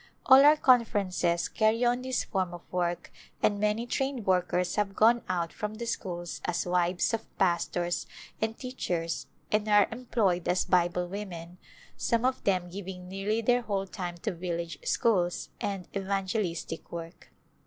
All our conferences carry on this form of work and many trained workers have gone out from the schools as wives of pastors and teachers and are em ployed as Bible women, some of them giving nearly their whole time to village schools and evan gelistic work.